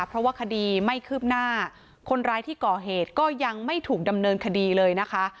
เพราะว่าคดีไม่คืบหน้าคนร้ายที่ก่อเหตุก็ยังไม่ถูกดำเนินคดีเลยนะคะ